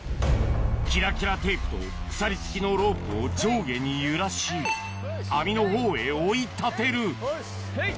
キラキラテープと鎖付きのロープを上下に揺らし網の方へ追い立てるへい！